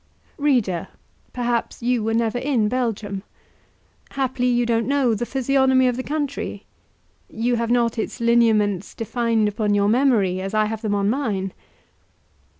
READER, perhaps you were never in Belgium? Haply you don't know the physiognomy of the country? You have not its lineaments defined upon your memory, as I have them on mine?